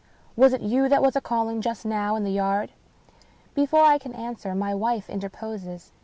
Was it you that was a calling just now in the yard?" Before I can answer, my wife interposes.